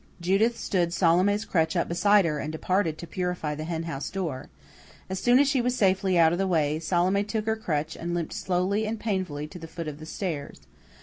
Judith stood Salome's crutch up beside her, and departed to purify the henhouse door. As soon as she was safely out of the way, Salome took her crutch, and limped slowly and painfully to the foot of the stairs.